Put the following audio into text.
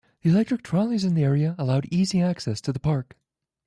The electric trolleys in the area allowed easy access to the park.